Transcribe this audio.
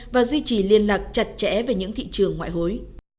và duy trì liên lạc chặt chẽ về những thị trường ngoại hối